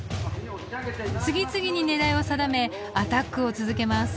次々に狙いを定めアタックを続けます。